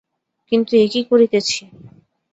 কিন্তু, এ কী করিতেছি।